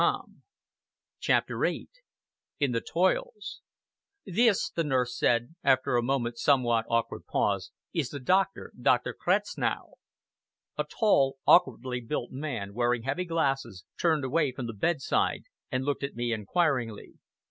CHAPTER VIII IN THE TOILS "This," the nurse said, after a moment's somewhat awkward pause, "is the doctor Dr. Kretznow!" A tall, awkwardly built man, wearing heavy glasses, turned away from the bedside, and looked at me inquiringly.